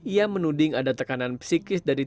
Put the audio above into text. ia menuding ada tekanan psikis dari